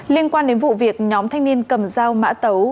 liên quan đến vụ việc nhóm thanh niên cầm dao mã tấu